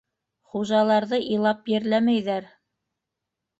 Хужаларҙы илап ерләмәйҙәр.